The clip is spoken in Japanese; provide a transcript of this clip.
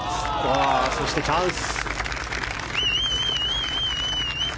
そして、チャンス。